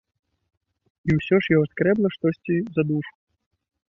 І ўсё ж яго скрэбла штосьці за душу.